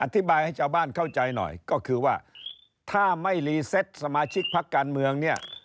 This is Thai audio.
อธิบายให้ชาวบ้านเข้าใจหน่อยก็คือว่าถ้าไม่รีเซตสมาชิกพักการเมืองเนี่ย